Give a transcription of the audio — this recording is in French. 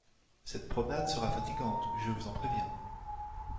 Cette promenade sera fatigante, je vous en préviens.